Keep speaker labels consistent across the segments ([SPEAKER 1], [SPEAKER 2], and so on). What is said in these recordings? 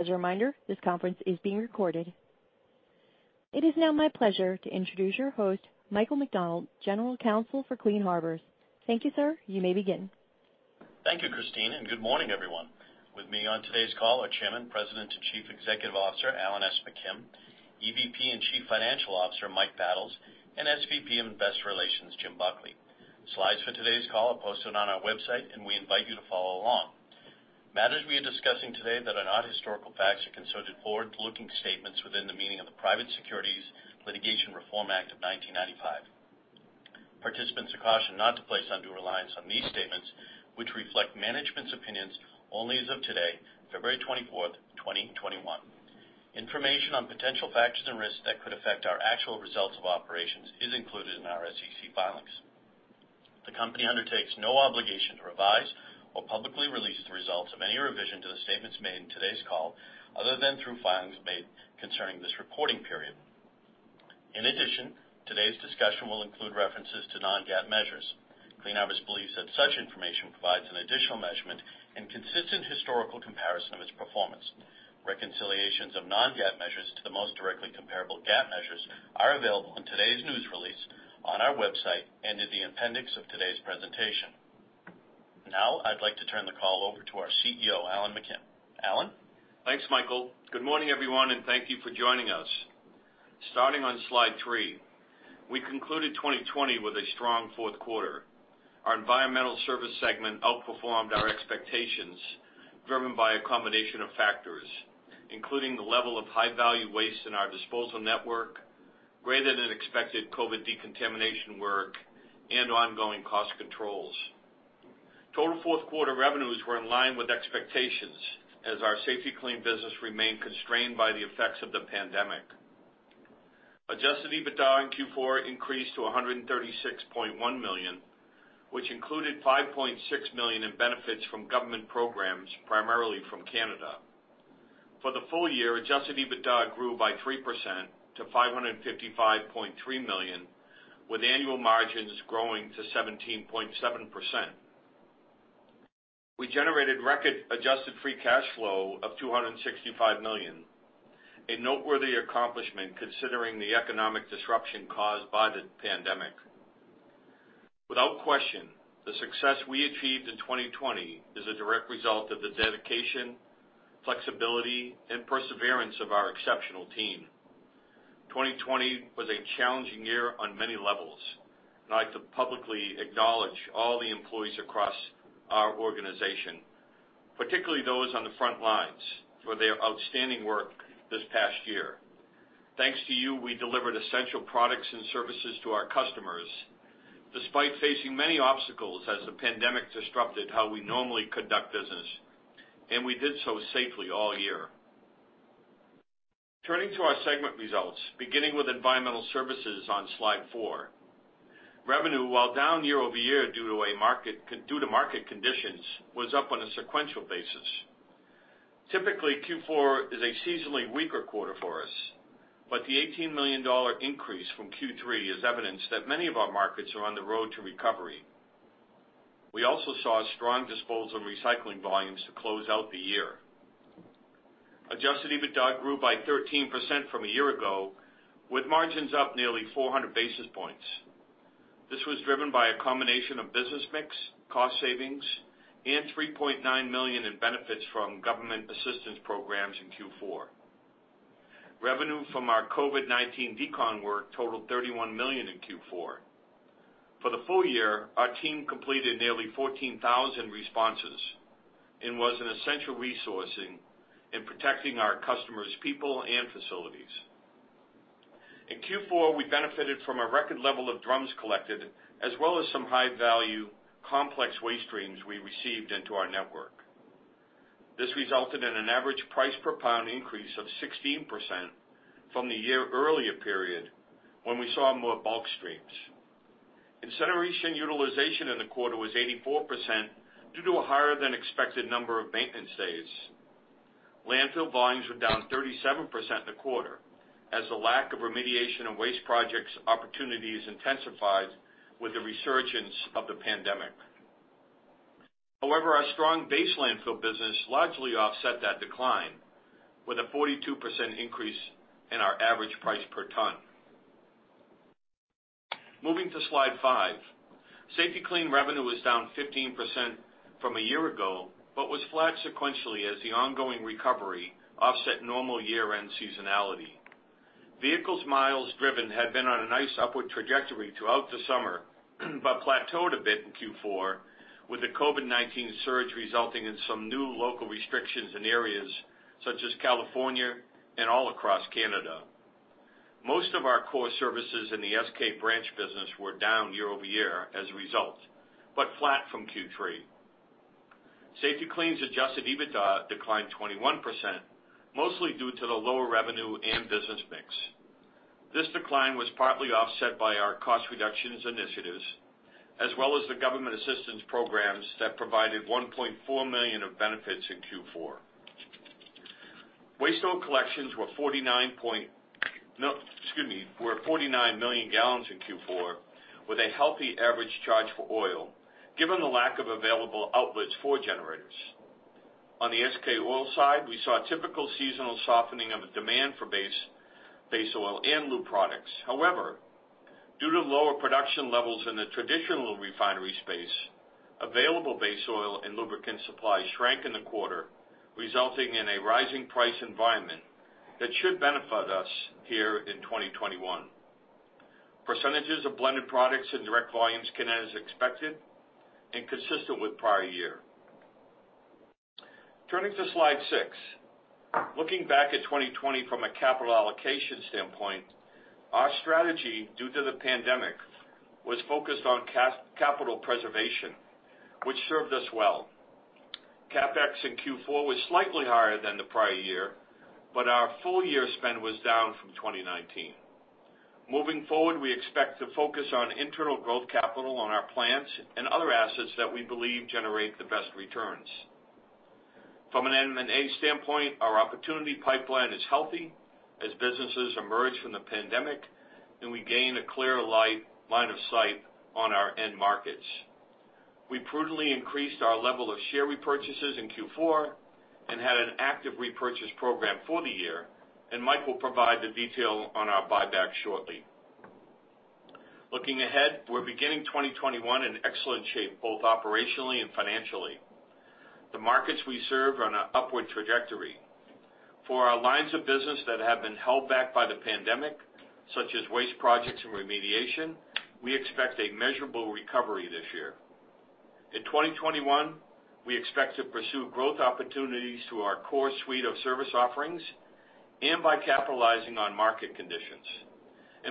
[SPEAKER 1] As a reminder, this conference is being recorded. It is now my pleasure to introduce your host, Michael McDonald, General Counsel for Clean Harbors. Thank you, sir. You may begin.
[SPEAKER 2] Thank you, Christine. Good morning, everyone. With me on today's call are Chairman, President, and Chief Executive Officer, Alan S. McKim, EVP and Chief Financial Officer, Mike Battles, and SVP of Investor Relations, Jim Buckley. Slides for today's call are posted on our website, and we invite you to follow along. Matters we are discussing today that are not historical facts are considered forward-looking statements within the meaning of the Private Securities Litigation Reform Act of 1995. Participants are cautioned not to place undue reliance on these statements, which reflect management's opinions only as of today, February 24th, 2021. Information on potential factors and risks that could affect our actual results of operations is included in our SEC filings. The company undertakes no obligation to revise or publicly release the results of any revision to the statements made in today's call, other than through filings made concerning this reporting period. In addition, today's discussion will include references to non-GAAP measures. Clean Harbors believes that such information provides an additional measurement and consistent historical comparison of its performance. Reconciliations of non-GAAP measures to the most directly comparable GAAP measures are available in today's news release, on our website, and in the appendix of today's presentation. Now, I'd like to turn the call over to our CEO, Alan McKim. Alan?
[SPEAKER 3] Thanks, Michael. Good morning, everyone, and thank you for joining us. Starting on slide 3, we concluded 2020 with a strong fourth quarter. Our environmental service segment outperformed our expectations, driven by a combination of factors, including the level of high-value waste in our disposal network, greater than expected COVID decontamination work, and ongoing cost controls. Total fourth quarter revenues were in line with expectations as our Safety-Kleen business remained constrained by the effects of the pandemic. Adjusted EBITDA in Q4 increased to $136.1 million, which included $5.6 million in benefits from government programs, primarily from Canada. For the full year, adjusted EBITDA grew by 3% to $555.3 million, with annual margins growing to 17.7%. We generated record adjusted free cash flow of $265 million, a noteworthy accomplishment considering the economic disruption caused by the pandemic. Without question, the success we achieved in 2020 is a direct result of the dedication, flexibility, and perseverance of our exceptional team. 2020 was a challenging year on many levels. I'd like to publicly acknowledge all the employees across our organization, particularly those on the front lines, for their outstanding work this past year. Thanks to you, we delivered essential products and services to our customers despite facing many obstacles as the pandemic disrupted how we normally conduct business, and we did so safely all year. Turning to our segment results, beginning with Environmental Services on Slide 4. Revenue, while down year-over-year due to market conditions, was up on a sequential basis. Typically, Q4 is a seasonally weaker quarter for us. The $18 million increase from Q3 is evidence that many of our markets are on the road to recovery. We also saw strong disposal recycling volumes to close out the year. Adjusted EBITDA grew by 13% from a year ago, with margins up nearly 400 basis points. This was driven by a combination of business mix, cost savings, and $3.9 million in benefits from government assistance programs in Q4. Revenue from our COVID-19 decon work totaled $31 million in Q4. For the full year, our team completed nearly 14,000 responses and was an essential resourcing in protecting our customers' people and facilities. In Q4, we benefited from a record level of drums collected, as well as some high-value complex waste streams we received into our network. This resulted in an average price per pound increase of 16% from the year earlier period when we saw more bulk streams. Incineration utilization in the quarter was 84% due to a higher-than-expected number of maintenance days. Landfill volumes were down 37% in the quarter as the lack of remediation and waste projects opportunities intensified with the resurgence of the pandemic. However, our strong base landfill business largely offset that decline, with a 42% increase in our average price per ton. Moving to Slide 5. Safety-Kleen revenue was down 15% from a year ago but was flat sequentially as the ongoing recovery offset normal year-end seasonality. Vehicles miles driven had been on a nice upward trajectory throughout the summer but plateaued a bit in Q4, with the COVID-19 surge resulting in some new local restrictions in areas such as California and all across Canada. Most of our core services in the SK branch business were down year-over-year as a result, but flat from Q3. Safety-Kleen's adjusted EBITDA declined 21%, mostly due to the lower revenue and business mix. This decline was partly offset by our cost reductions initiatives, as well as the government assistance programs that provided $1.4 million of benefits in Q4. Waste oil collections were 49 million gallons in Q4 with a healthy average charge-for-oil, given the lack of available outlets for generators. On the SK Oil side, we saw a typical seasonal softening of the demand for base oil and lube products. However, due to lower production levels in the traditional refinery space, available base oil and lubricant supply shrank in the quarter, resulting in a rising price environment that should benefit us here in 2021. Percentages of blended products and direct volumes came in as expected and consistent with prior year. Turning to slide6. Looking back at 2020 from a capital allocation standpoint, our strategy, due to the pandemic, was focused on capital preservation, which served us well. CapEx in Q4 was slightly higher than the prior year, but our full-year spend was down from 2019. Moving forward, we expect to focus on internal growth capital on our plants and other assets that we believe generate the best returns. From an M&A standpoint, our opportunity pipeline is healthy as businesses emerge from the pandemic, and we gain a clear line of sight on our end markets. We prudently increased our level of share repurchases in Q4 and had an active repurchase program for the year, and Mike will provide the detail on our buyback shortly. Looking ahead, we're beginning 2021 in excellent shape, both operationally and financially. The markets we serve are on an upward trajectory. For our lines of business that have been held back by the pandemic, such as waste projects and remediation, we expect a measurable recovery this year. In 2021, we expect to pursue growth opportunities through our core suite of service offerings and by capitalizing on market conditions.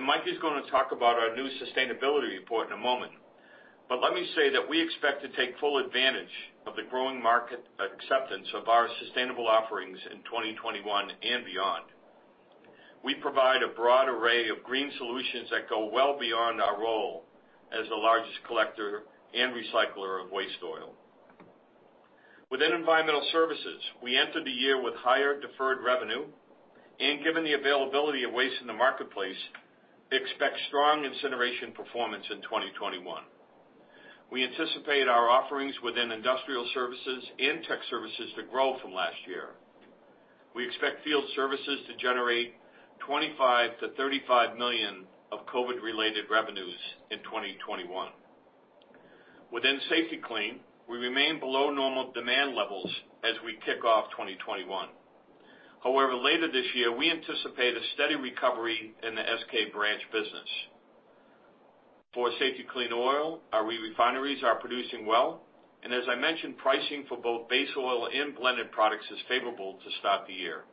[SPEAKER 3] Mike is going to talk about our new sustainability report in a moment, but let me say that we expect to take full advantage of the growing market acceptance of our sustainable offerings in 2021 and beyond. We provide a broad array of green solutions that go well beyond our role as the largest collector and recycler of waste oil. Within Environmental Services, we enter the year with higher deferred revenue. Given the availability of waste in the marketplace, we expect strong incineration performance in 2021. We anticipate our offerings within Industrial Services and Tech Services to grow from last year. We expect field services to generate $25 million-$35 million of COVID-related revenues in 2021. Within Safety-Kleen, we remain below normal demand levels as we kick off 2021. Later this year, we anticipate a steady recovery in the SK branch business. For Safety-Kleen Oil, our re-refineries are producing well, and as I mentioned, pricing for both base oil and blended products is favorable to start the year.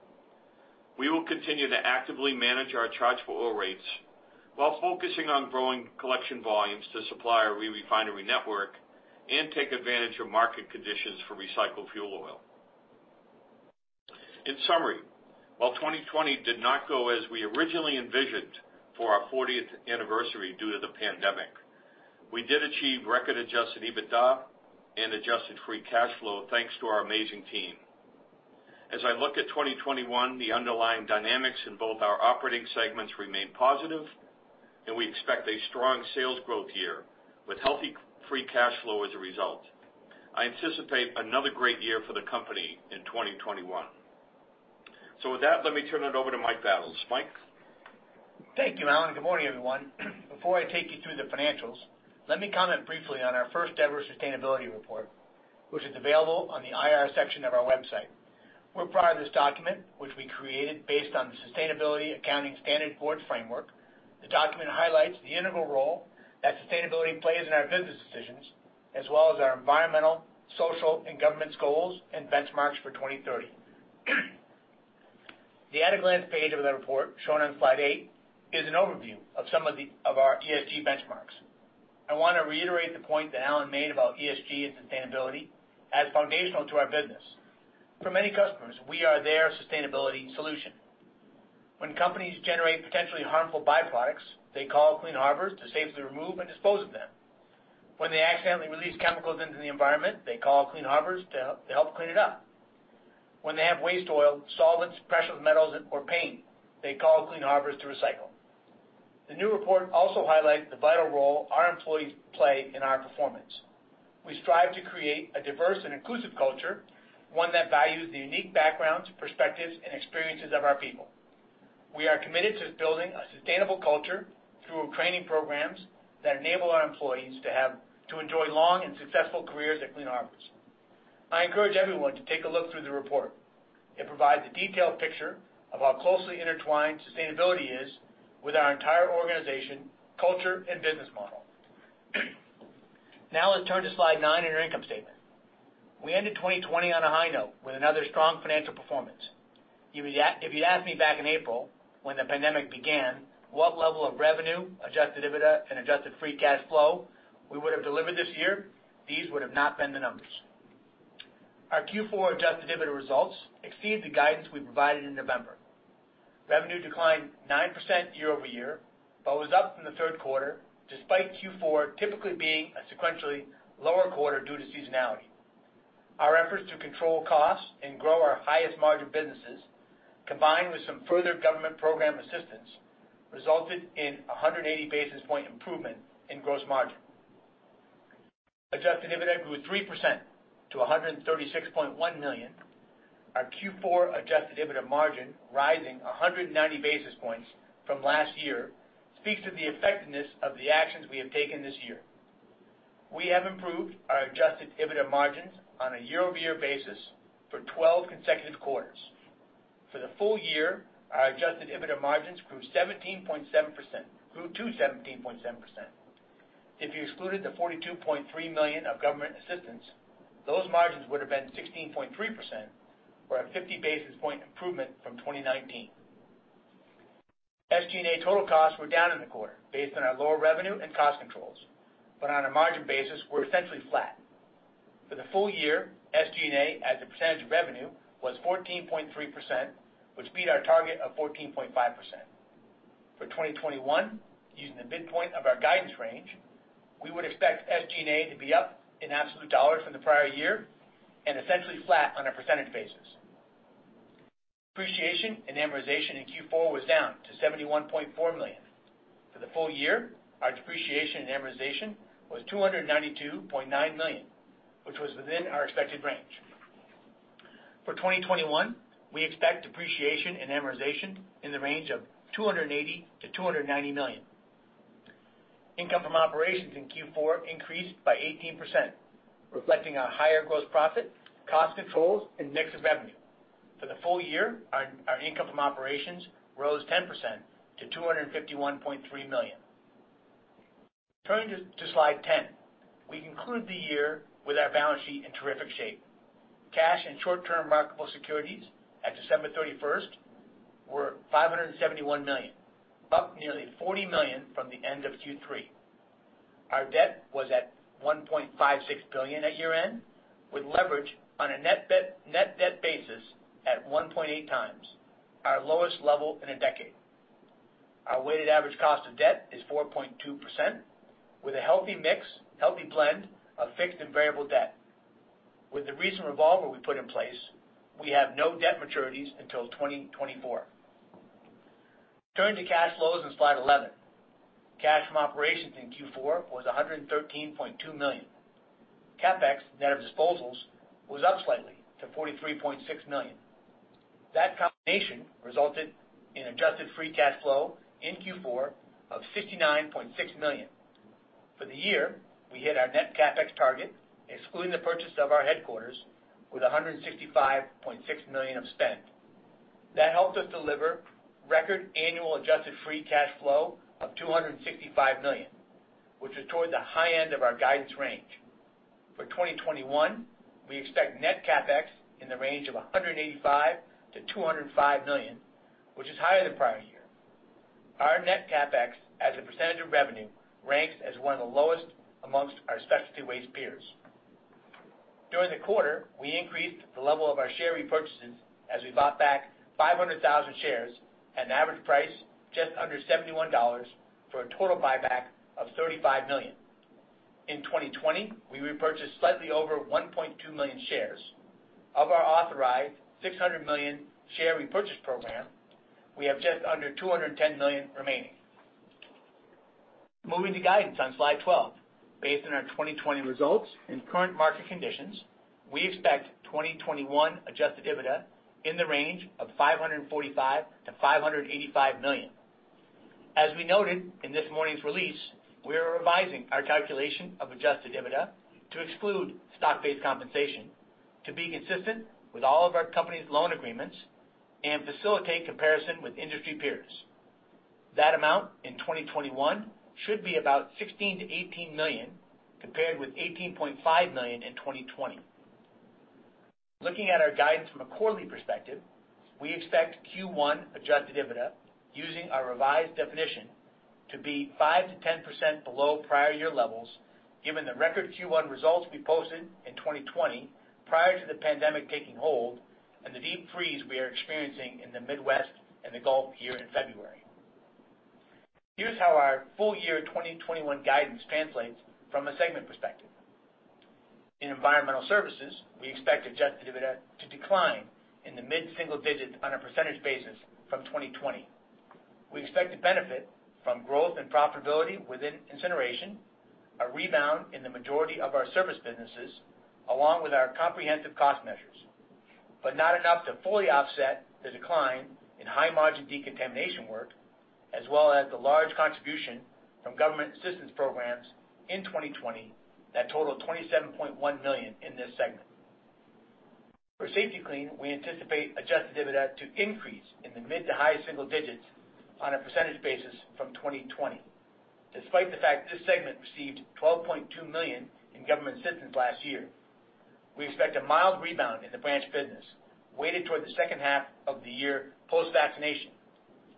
[SPEAKER 3] We will continue to actively manage our charge-for-oil rates while focusing on growing collection volumes to supply our re-refinery network and take advantage of market conditions for recycled fuel oil. In summary, while 2020 did not go as we originally envisioned for our 40th anniversary due to the pandemic, we did achieve record adjusted EBITDA and adjusted free cash flow, thanks to our amazing team. As I look at 2021, the underlying dynamics in both our operating segments remain positive, and we expect a strong sales growth year with healthy free cash flow as a result. I anticipate another great year for the company in 2021. With that, let me turn it over to Mike Battles. Mike?
[SPEAKER 4] Thank you, Alan. Good morning, everyone. Before I take you through the financials, let me comment briefly on our first-ever sustainability report, which is available on the IR section of our website. We're proud of this document, which we created based on the Sustainability Accounting Standards Board framework. The document highlights the integral role that sustainability plays in our business decisions, as well as our environmental, social, and governance goals and benchmarks for 2030. The at-a-glance page of the report, shown on slide 8, is an overview of some of our ESG benchmarks. I want to reiterate the point that Alan made about ESG and sustainability as foundational to our business. For many customers, we are their sustainability solution. When companies generate potentially harmful byproducts, they call Clean Harbors to safely remove and dispose of them. When they accidentally release chemicals into the environment, they call Clean Harbors to help clean it up. When they have waste oil, solvents, precious metals, or paint, they call Clean Harbors to recycle. The new report also highlights the vital role our employees play in our performance. We strive to create a diverse and inclusive culture, one that values the unique backgrounds, perspectives, and experiences of our people. We are committed to building a sustainable culture through training programs that enable our employees to enjoy long and successful careers at Clean Harbors. I encourage everyone to take a look through the report. It provides a detailed picture of how closely intertwined sustainability is with our entire organization, culture, and business model. Now, let's turn to slide 9 in our income statement. We ended 2020 on a high note with another strong financial performance. If you'd asked me back in April, when the pandemic began, what level of revenue, adjusted EBITDA, and adjusted free cash flow we would have delivered this year, these would have not been the numbers. Our Q4 adjusted EBITDA results exceed the guidance we provided in November. Revenue declined 9% year-over-year, but was up from the third quarter, despite Q4 typically being a sequentially lower quarter due to seasonality. Our efforts to control costs and grow our highest margin businesses, combined with some further government program assistance, resulted in 180 basis point improvement in gross margin. Adjusted EBITDA grew 3% to $136.1 million. Our Q4 adjusted EBITDA margin rising 190 basis points from last year speaks to the effectiveness of the actions we have taken this year. We have improved our adjusted EBITDA margins on a year-over-year basis for 12 consecutive quarters. For the full year, our adjusted EBITDA margins grew to 17.7%. If you excluded the $42.3 million of government assistance, those margins would have been 16.3%, or a 50 basis point improvement from 2019. SG&A total costs were down in the quarter based on our lower revenue and cost controls, on a margin basis, were essentially flat. For the full year, SG&A as a percentage of revenue was 14.3%, which beat our target of 14.5%. For 2021, using the midpoint of our guidance range, we would expect SG&A to be up in absolute dollars from the prior year and essentially flat on a percentage basis. Depreciation and amortization in Q4 was down to $71.4 million. For the full year, our depreciation and amortization was $292.9 million, which was within our expected range. For 2021, we expect depreciation and amortization in the range of $280 million-$290 million. Income from operations in Q4 increased by 18%, reflecting a higher gross profit, cost controls, and mix of revenue. For the full year, our income from operations rose 10% to $251.3 million. Turning to slide 10, we conclude the year with our balance sheet in terrific shape. Cash and short-term marketable securities at December 31st were $571 million, up nearly $40 million from the end of Q3. Our debt was at $1.56 billion at year-end, with leverage on a net debt basis at 1.8 times, our lowest level in a decade. Our weighted average cost of debt is 4.2%, with a healthy mix, healthy blend of fixed and variable debt. With the recent revolver we put in place, we have no debt maturities until 2024. Turning to cash flows on slide 11. Cash from operations in Q4 was $113.2 million. CapEx net of disposals was up slightly to $43.6 million. That combination resulted in adjusted free cash flow in Q4 of $69.6 million. For the year, we hit our net CapEx target, excluding the purchase of our headquarters, with $165.6 million of spend. That helped us deliver record annual adjusted free cash flow of $265 million, which was towards the high end of our guidance range. For 2021, we expect net CapEx in the range of $185 million-$205 million, which is higher than prior year. Our net CapEx as a percentage of revenue ranks as one of the lowest amongst our specialty waste peers. During the quarter, we increased the level of our share repurchases as we bought back 500,000 shares at an average price just under $71 for a total buyback of $35 million. In 2020, we repurchased slightly over 1.2 million shares. Of our authorized $600 million share repurchase program, we have just under $210 million remaining. Moving to guidance on slide 12. Based on our 2020 results and current market conditions, we expect 2021 adjusted EBITDA in the range of $545 million-$585 million. As we noted in this morning's release, we are revising our calculation of adjusted EBITDA to exclude stock-based compensation to be consistent with all of our company's loan agreements and facilitate comparison with industry peers. That amount in 2021 should be about $16 million-$18 million, compared with $18.5 million in 2020. Looking at our guidance from a quarterly perspective, we expect Q1 adjusted EBITDA using our revised definition to be 5%-10% below prior year levels, given the record Q1 results we posted in 2020 prior to the pandemic taking hold and the deep freeze we are experiencing in the Midwest and the Gulf here in February. Here's how our full year 2021 guidance translates from a segment perspective. In Environmental Services, we expect adjusted EBITDA to decline in the mid-single digits on a % basis from 2020. We expect to benefit from growth and profitability within incineration, a rebound in the majority of our service businesses, along with our comprehensive cost measures. Not enough to fully offset the decline in high-margin decontamination work, as well as the large contribution from government assistance programs in 2020 that totaled $27.1 million in this segment. For Safety-Kleen, we anticipate adjusted EBITDA to increase in the mid to high single digits on a % basis from 2020, despite the fact this segment received $12.2 million in government assistance last year. We expect a mild rebound in the branch business, weighted toward the second half of the year post-vaccination.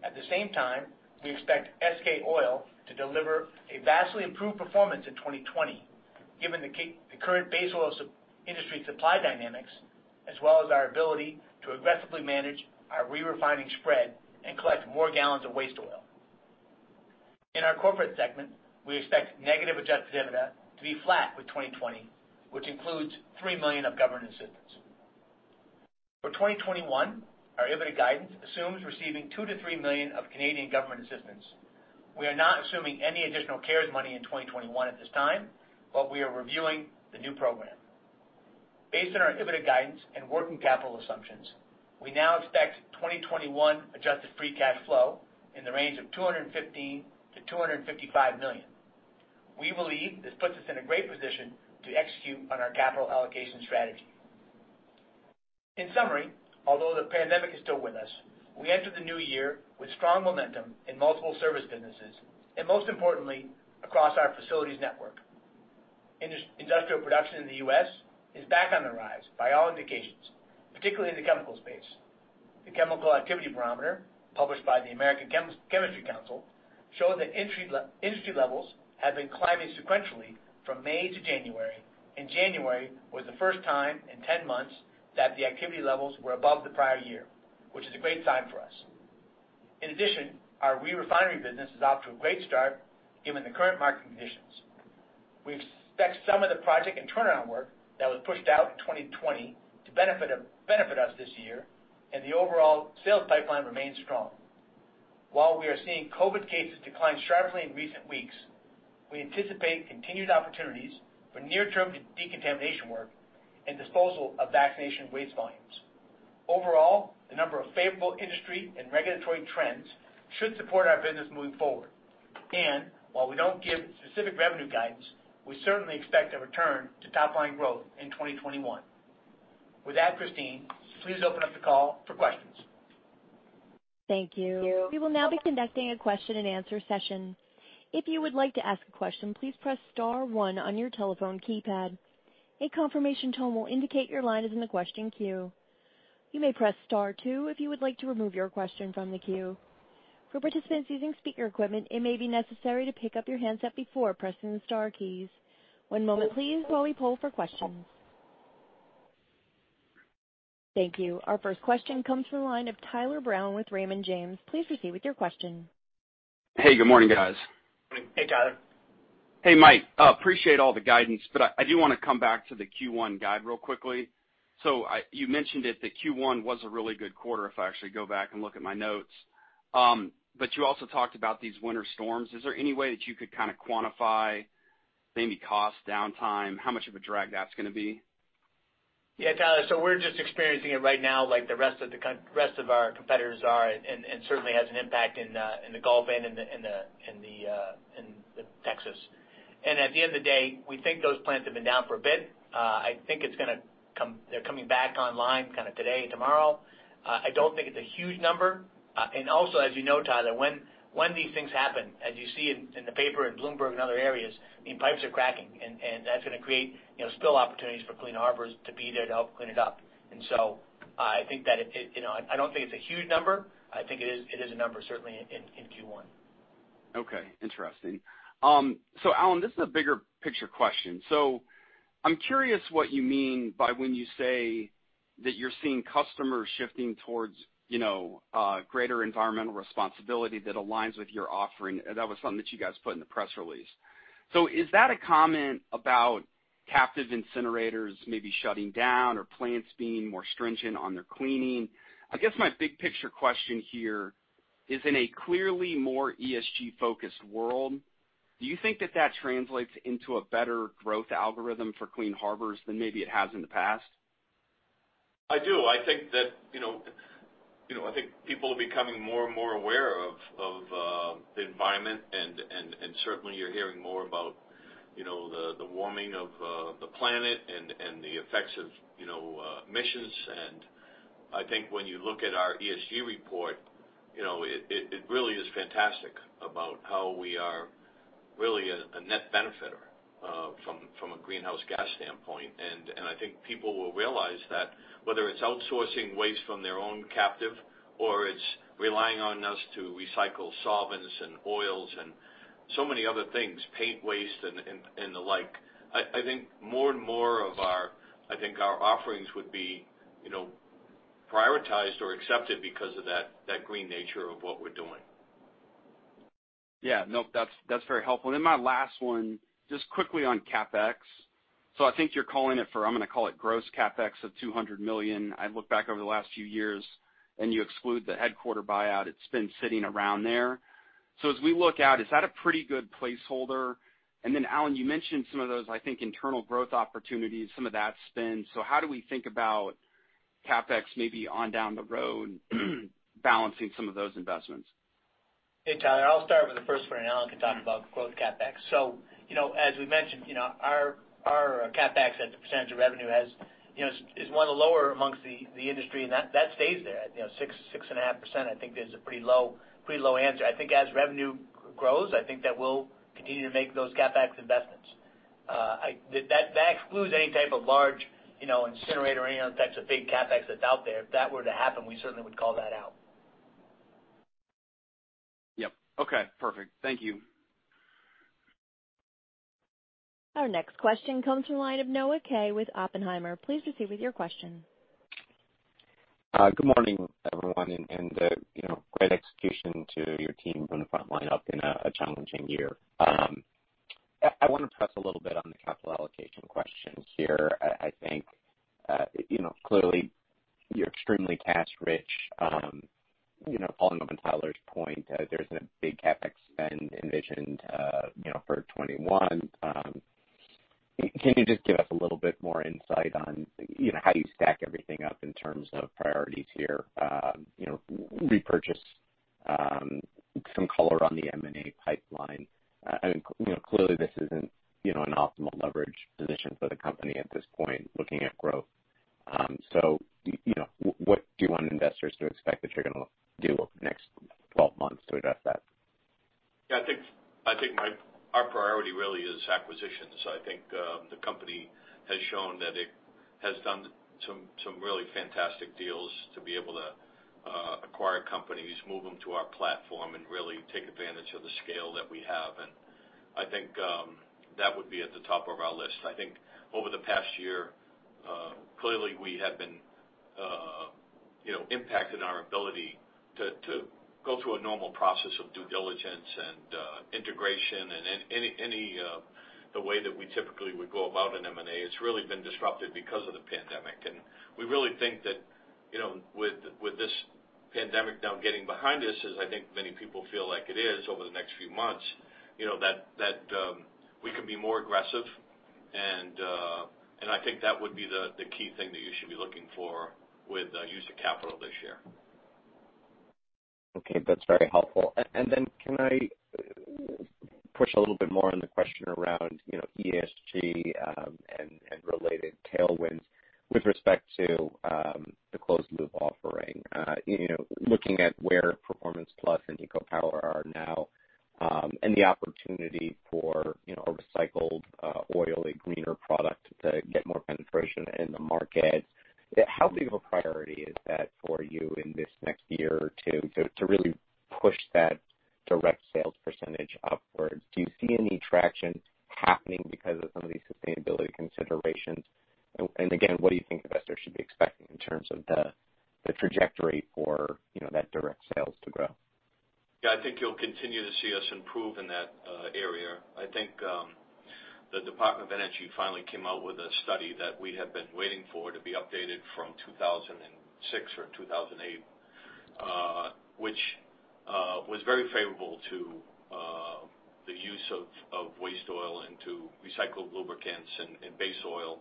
[SPEAKER 4] At the same time, we expect SK oil to deliver a vastly improved performance in 2020, given the current base oil industry supply dynamics as well as our ability to aggressively manage our re-refining spread and collect more gallons of waste oil. In our corporate segment, we expect negative adjusted EBITDA to be flat with 2020, which includes $3 million of government assistance. For 2021, our EBITDA guidance assumes receiving $2 million-$3 million of Canadian government assistance. We are not assuming any additional CARES money in 2021 at this time, but we are reviewing the new program. Based on our EBITDA guidance and working capital assumptions, we now expect 2021 adjusted free cash flow in the range of $215 million-$255 million. We believe this puts us in a great position to execute on our capital allocation strategy. In summary, although the pandemic is still with us, we enter the new year with strong momentum in multiple service businesses and most importantly, across our facilities network. Industrial production in the U.S. is back on the rise by all indications, particularly in the chemical space. The Chemical Activity Barometer, published by the American Chemistry Council, show that industry levels have been climbing sequentially from May to January, and January was the first time in 10 months that the activity levels were above the prior year, which is a great sign for us. In addition, our re-refinery business is off to a great start given the current market conditions. We expect some of the project and turnaround work that was pushed out in 2020 to benefit us this year, and the overall sales pipeline remains strong. While we are seeing COVID cases decline sharply in recent weeks, we anticipate continued opportunities for near-term decontamination work and disposal of vaccination waste volumes. Overall, the number of favorable industry and regulatory trends should support our business moving forward. While we don't give specific revenue guidance, we certainly expect a return to top-line growth in 2021. With that, Christine, please open up the call for questions.
[SPEAKER 1] Thank you. We will now be conducting a question and answer session. If you would like to ask a question, please press star one on your telephone keypad. A confirmation tone will indicate your line is in the question queue. You may press star two if you would like to remove your question from the queue. For participants using speaker equipment, it may be necessary to pick up your handset before pressing the star keys. One moment please while we poll for questions. Thank you. Our first question comes from the line of Tyler Brown with Raymond James. Please proceed with your question.
[SPEAKER 5] Hey, good morning, guys.
[SPEAKER 3] Morning. Hey, Tyler.
[SPEAKER 5] Hey, Mike. Appreciate all the guidance. I do want to come back to the Q1 guide real quickly. You mentioned it, that Q1 was a really good quarter if I actually go back and look at my notes. You also talked about these winter storms. Is there any way that you could kind of quantify maybe cost, downtime? How much of a drag that's going to be?
[SPEAKER 4] Yeah, Tyler, we're just experiencing it right now like the rest of our competitors are and certainly has an impact in the Gulf and in Texas. At the end of the day, we think those plants have been down for a bit. I think they're coming back online kind of today, tomorrow. I don't think it's a huge number. Also, as you know, Tyler, when these things happen, as you see in the paper, in Bloomberg and other areas, pipes are cracking and that's gonna create spill opportunities for Clean Harbors to be there to help clean it up. I don't think it's a huge number. I think it is a number certainly in Q1.
[SPEAKER 5] Okay. Interesting. Alan, this is a bigger picture question. I'm curious what you mean by when you say that you're seeing customers shifting towards greater environmental responsibility that aligns with your offering. That was something that you guys put in the press release. Is that a comment about captive incinerators maybe shutting down or plants being more stringent on their cleaning? I guess my big picture question here is in a clearly more ESG-focused world, do you think that that translates into a better growth algorithm for Clean Harbors than maybe it has in the past?
[SPEAKER 3] I do. I think people are becoming more and more aware of the environment, and certainly you're hearing more about the warming of the planet and the effects of emissions. I think when you look at our ESG report, it really is fantastic about how we are really a net benefiter from a greenhouse gas standpoint. I think people will realize that whether it's outsourcing waste from their own captive or it's relying on us to recycle solvents and oils and so many other things, paint waste and the like. I think more and more of our offerings would be prioritized or accepted because of that green nature of what we're doing.
[SPEAKER 5] Yeah. Nope. That's very helpful. My last one, just quickly on CapEx. I think you're calling it for, I'm going to call it gross CapEx of $200 million. I look back over the last few years, and you exclude the headquarter buyout. It's been sitting around there. As we look out, is that a pretty good placeholder? Alan, you mentioned some of those, I think, internal growth opportunities, some of that spend. How do we think about CapEx maybe on down the road balancing some of those investments?
[SPEAKER 4] Hey, Tyler, I'll start with the first one. Alan can talk about growth CapEx. As we mentioned, our CapEx as a percentage of revenue is one of the lower amongst the industry. That stays there at 6%, 6.5%. I think that's a pretty low answer. I think as revenue grows, I think that we'll continue to make those CapEx investments. That excludes any type of large incinerator or any other types of big CapEx that's out there. If that were to happen, we certainly would call that out.
[SPEAKER 5] Yep. Okay, perfect. Thank you.
[SPEAKER 1] Our next question comes from the line of Noah Kaye with Oppenheimer. Please proceed with your question.
[SPEAKER 6] Good morning, everyone, great execution to your team from the front line up in a challenging year. I want to press a little bit on the capital allocation questions here. I think, clearly you're extremely cash rich. Following up on Tyler's point, there's a big CapEx spend envisioned for 2021. Can you just give us a little bit more insight on how you stack everything up in terms of priorities here? Repurchase, some color on the M&A pipeline. I think, clearly this isn't an optimal leverage position for the company at this point, looking at growth. What do you want investors to expect that you're going to do over the next 12 months to address that?
[SPEAKER 3] Yeah, I think our priority really is acquisitions. I think the company has shown that it has done some really fantastic deals to be able to acquire companies, move them to our platform, and really take advantage of the scale that we have. I think that would be at the top of our list. I think over the past year, clearly we have been impacted in our ability to go through a normal process of due diligence and integration and the way that we typically would go about an M&A. It's really been disrupted because of the pandemic. We really think that with this pandemic now getting behind us, as I think many people feel like it is, over the next few months, that we can be more aggressive, and I think that would be the key thing that you should be looking for with use of capital this year.
[SPEAKER 6] Okay. That's very helpful. Then can I push a little bit more on the question around ESG, and related tailwinds with respect to the closed loop offering? Looking at where Performance Plus and EcoPower are now, and the opportunity for a recycled oil, a greener product to get more penetration in the market, how big of a priority is that for you in this next year or two to really push that direct sales percentage upwards? Do you see any traction happening because of some of these sustainability considerations? Again, what do you think investors should be expecting in terms of the trajectory for that direct sales to grow?
[SPEAKER 3] Yeah, I think you'll continue to see us improve in that area. I think the Department of Energy finally came out with a study that we have been waiting for to be updated from 2006 or 2008, which was very favorable to the use of waste oil into recycled lubricants and base oil.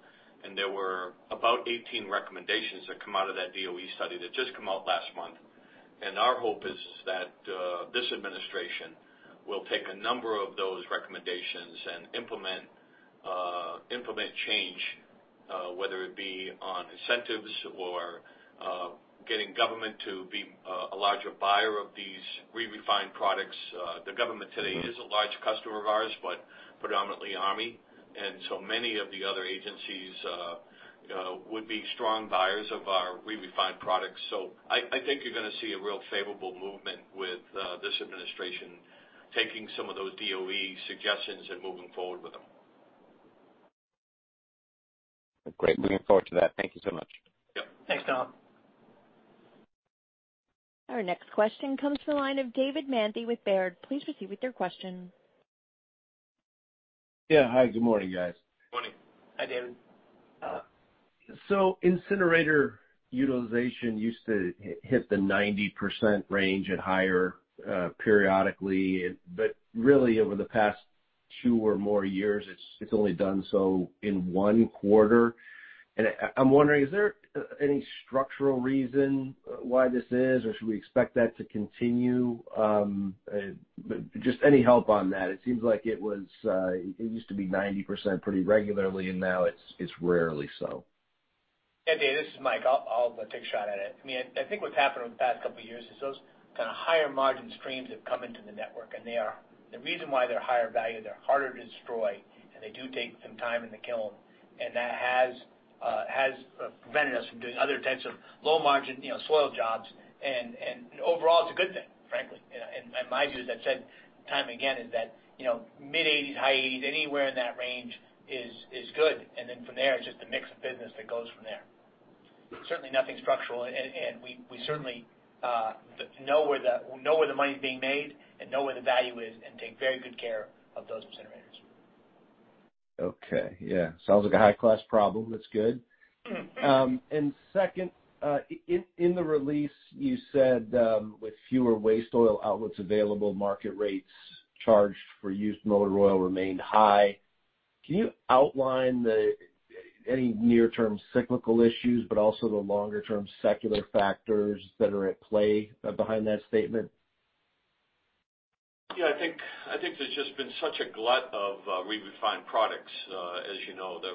[SPEAKER 3] There were about 18 recommendations that come out of that DOE study that just come out last month. Our hope is that this administration will take a number of those recommendations and implement change, whether it be on incentives or getting government to be a larger buyer of these re-refined products. The government today is a large customer of ours, but predominantly Army, and so many of the other agencies would be strong buyers of our re-refined products. I think you're going to see a real favorable movement with this administration taking some of those DOE suggestions and moving forward with them.
[SPEAKER 6] Great. Looking forward to that. Thank you so much.
[SPEAKER 3] Yep. Thanks, Noah.
[SPEAKER 1] Our next question comes from the line of David Manthey with Baird. Please proceed with your question.
[SPEAKER 7] Yeah. Hi, good morning, guys.
[SPEAKER 3] Morning.
[SPEAKER 4] Hi, David.
[SPEAKER 7] Incinerator utilization used to hit the 90% range and higher periodically, but really over the past two or more years, it's only done so in one quarter. I'm wondering, is there any structural reason why this is, or should we expect that to continue? Just any help on that. It seems like it used to be 90% pretty regularly, and now it's rarely so.
[SPEAKER 4] Hey, David, this is Mike. I'll take a shot at it. I think what's happened over the past couple of years is those kind of higher margin streams have come into the network, and the reason why they're higher value, they're harder to destroy, and they do take some time in the kiln, and that has prevented us from doing other types of low margin soil jobs. Overall, it's a good thing, frankly. My view is, I've said time and again, is that mid-80s, high 80s, anywhere in that range is good. From there, it's just a mix of business that goes from there. Certainly nothing structural, and we certainly know where the money's being made and know where the value is and take very good care of those incinerators.
[SPEAKER 7] Okay. Yeah. Sounds like a high-class problem. That's good. Second, in the release, you said with fewer waste oil outlets available, market rates charged for used motor oil remained high. Can you outline any near term cyclical issues, but also the longer term secular factors that are at play behind that statement?
[SPEAKER 3] Yeah, I think there's just been such a glut of re-refined products. As you know, the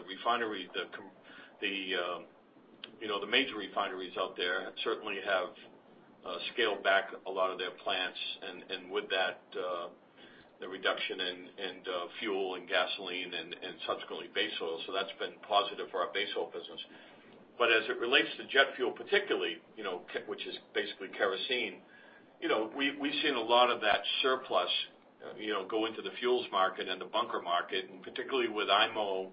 [SPEAKER 3] major refineries out there certainly have scaled back a lot of their plants and with that, the reduction in fuel and gasoline and subsequently base oil. That's been positive for our base oil business. As it relates to jet fuel particularly, which is basically kerosene. We've seen a lot of that surplus go into the fuels market and the bunker market, and particularly with IMO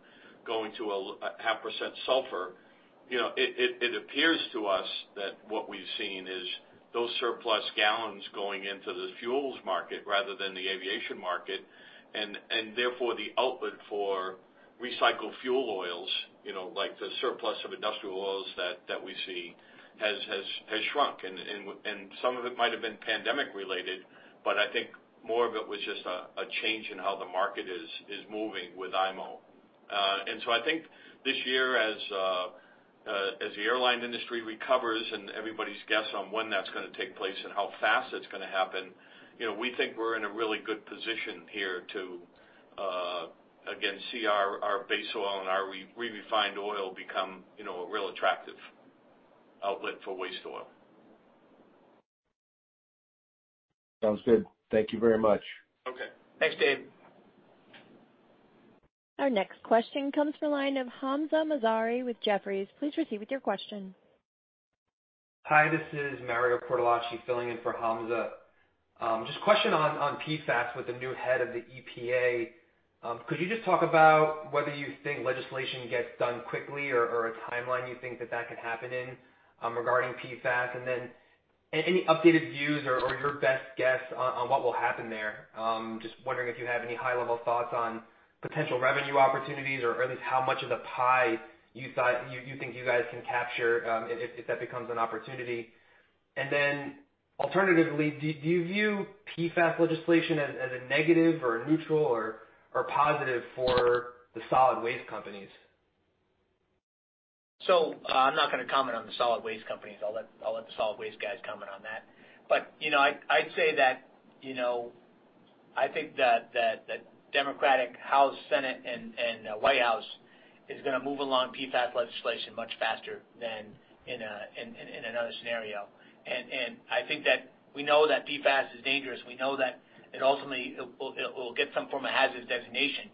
[SPEAKER 3] going to a half % sulfur. It appears to us that what we've seen is those surplus gallons going into the fuels market rather than the aviation market. Therefore, the outlet for recycled fuel oils, like the surplus of industrial oils that we see, has shrunk. Some of it might have been pandemic related, but I think more of it was just a change in how the market is moving with IMO. I think this year, as the airline industry recovers and everybody's guess on when that's going to take place and how fast it's going to happen, we think we're in a really good position here to, again, see our base oil and our re-refined oil become a real attractive outlet for waste oil.
[SPEAKER 7] Sounds good. Thank you very much.
[SPEAKER 3] Okay. Thanks, David.
[SPEAKER 1] Our next question comes from the line of Hamzah Mazari with Jefferies. Please proceed with your question.
[SPEAKER 8] Hi, this is Mario Cortellacci filling in for Hamzah. Just a question on PFAS with the new head of the EPA. Could you just talk about whether you think legislation gets done quickly or a timeline you think that that could happen in regarding PFAS? Any updated views or your best guess on what will happen there? Just wondering if you have any high-level thoughts on potential revenue opportunities or at least how much of the pie you think you guys can capture if that becomes an opportunity. Alternatively, do you view PFAS legislation as a negative or a neutral or positive for the solid waste companies?
[SPEAKER 4] I'm not going to comment on the solid waste companies. I'll let the solid waste guys comment on that. I'd say that I think that the Democratic House, Senate, and White House is going to move along PFAS legislation much faster than in another scenario. I think that we know that PFAS is dangerous. We know that it ultimately will get some form of hazardous designation.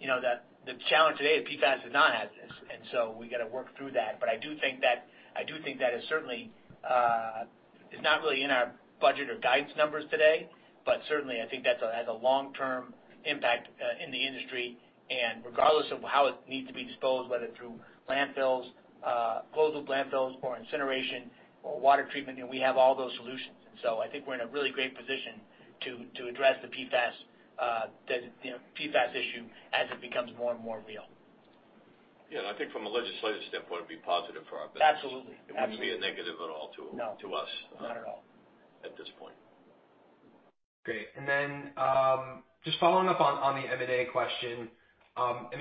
[SPEAKER 4] The challenge today is PFAS is not hazardous, and so we got to work through that. I do think that it certainly is not really in our budget or guidance numbers today, but certainly, I think that has a long-term impact in the industry, and regardless of how it needs to be disposed, whether through landfills, closed loop landfills or incineration or water treatment, we have all those solutions. I think we're in a really great position to address the PFAS issue as it becomes more and more real.
[SPEAKER 3] Yeah, I think from a legislative standpoint, it'd be positive for our business.
[SPEAKER 4] Absolutely.
[SPEAKER 3] It wouldn't be a negative at all to us.
[SPEAKER 4] No, not at all.
[SPEAKER 3] at this point.
[SPEAKER 8] Great. Just following up on the M&A question,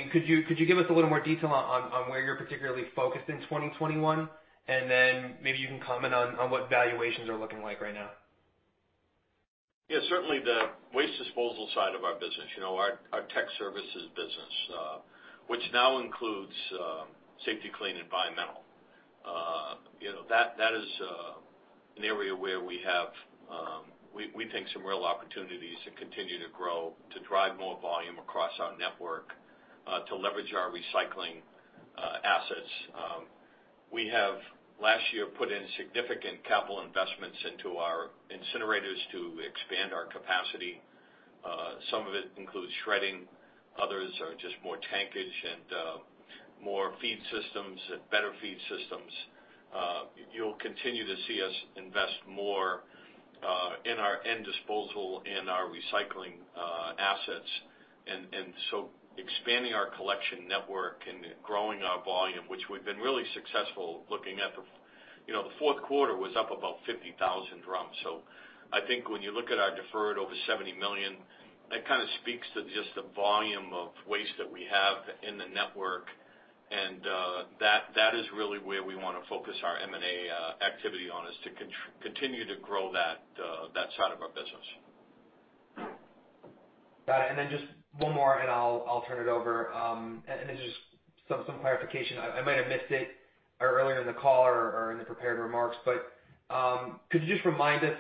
[SPEAKER 8] could you give us a little more detail on where you're particularly focused in 2021? Maybe you can comment on what valuations are looking like right now.
[SPEAKER 3] Certainly the waste disposal side of our business, our Tech Services business, which now includes Safety-Kleen Environmental. That is an area where we think some real opportunities to continue to grow, to drive more volume across our network, to leverage our recycling assets. We have last year put in significant capital investments into our incinerators to expand our capacity. Some of it includes shredding, others are just more tankage and more feed systems and better feed systems. You'll continue to see us invest more in our end disposal and our recycling assets. Expanding our collection network and growing our volume, which we've been really successful looking at. The fourth quarter was up about 50,000 drums. I think when you look at our deferred over $70 million, that kind of speaks to just the volume of waste that we have in the network, that is really where we want to focus our M&A activity on, is to continue to grow that side of our business.
[SPEAKER 8] Got it. Just one more, and I'll turn it over. Just some clarification. I might have missed it earlier in the call or in the prepared remarks, could you just remind us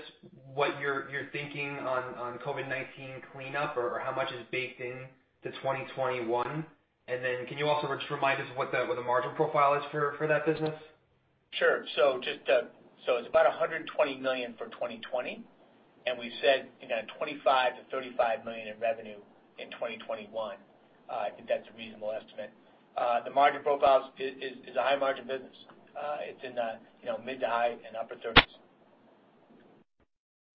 [SPEAKER 8] what you're thinking on COVID-19 cleanup, or how much is baked into 2021? Can you also just remind us what the margin profile is for that business?
[SPEAKER 4] Sure. It's about $120 million for 2020, we've said $25 million-$35 million in revenue in 2021. I think that's a reasonable estimate. The margin profile is a high margin business. It's in the mid to high and upper 30s.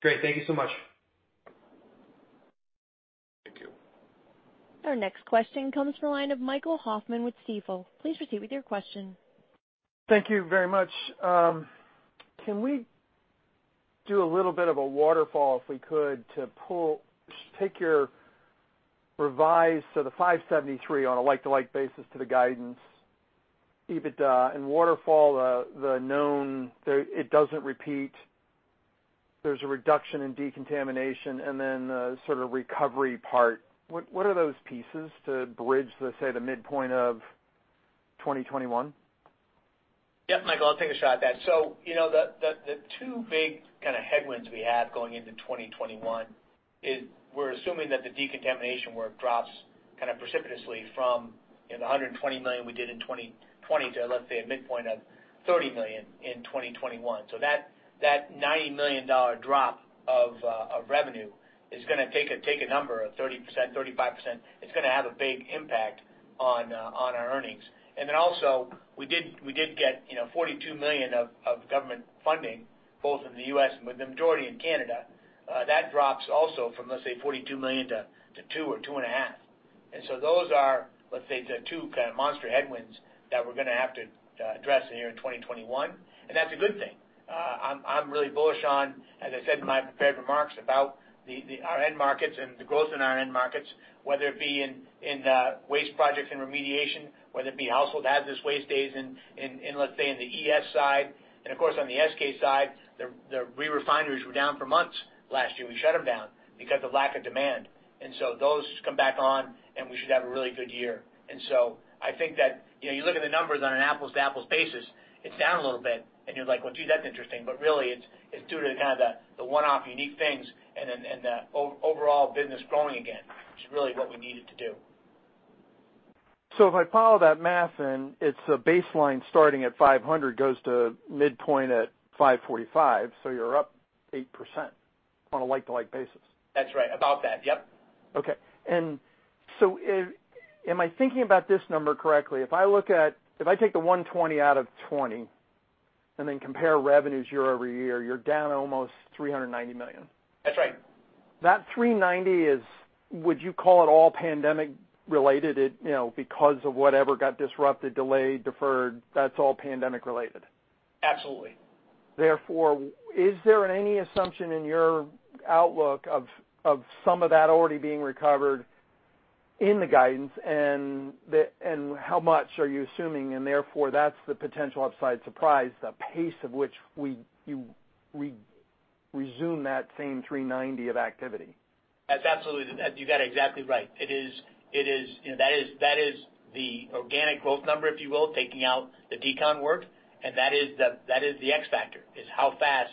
[SPEAKER 8] Great. Thank you so much.
[SPEAKER 3] Thank you.
[SPEAKER 1] Our next question comes from the line of Michael Hoffman with Stifel. Please proceed with your question.
[SPEAKER 9] Thank you very much. Can we do a little bit of a waterfall, if we could, to take your revised, the $573 on a like-to-like basis to the guidance, EBITDA and waterfall, the known, it doesn't repeat. There's a reduction in decontamination then the sort of recovery part. What are those pieces to bridge, let's say, the midpoint of 2021?
[SPEAKER 4] Yeah, Michael, I'll take a shot at that. The two big kind of headwinds we had going into 2021 we're assuming that the decontamination work drops precipitously from the $120 million we did in 2020 to, let's say, a midpoint of $30 million in 2021. That $90 million drop of revenue is going to take a number of 30%-35%. It's going to have a big impact on our earnings. We did get $42 million of government funding both in the U.S. and with the majority in Canada. That drops also from, let's say, $42 million to two or two and a half. Those are, let's say, the two kind of monster headwinds that we're going to have to address in the year 2021. That's a good thing. I'm really bullish on, as I said in my prepared remarks, about our end markets and the growth in our end markets, whether it be in the waste projects and remediation, whether it be household hazardous waste days in, let's say, in the ES side. Of course, on the SK side, the re-refineries were down for months last year. We shut them down because of lack of demand. Those come back on, and we should have a really good year. I think that you look at the numbers on an apples-to-apples basis, it's down a little bit, and you're like, "Well, gee, that's interesting." Really, it's due to the one-off unique things and then the overall business growing again, which is really what we needed to do.
[SPEAKER 9] If I follow that math and it's a baseline starting at 500, goes to midpoint at 545, so you're up 8% on a like-to-like basis.
[SPEAKER 4] That's right. About that. Yep.
[SPEAKER 9] Okay. Am I thinking about this number correctly? If I take the 120 out of 2020 and then compare revenues year-over-year, you're down almost $390 million.
[SPEAKER 4] That's right.
[SPEAKER 9] That $390 million is, would you call it all pandemic related? Of whatever got disrupted, delayed, deferred, that's all pandemic related.
[SPEAKER 4] Absolutely.
[SPEAKER 9] Therefore, is there any assumption in your outlook of some of that already being recovered in the guidance, and how much are you assuming? Therefore, that's the potential upside surprise, the pace of which you resume that same $390 million of activity.
[SPEAKER 4] That's absolutely. You got it exactly right. That is the organic growth number, if you will, taking out the decon work, and that is the X factor, is how fast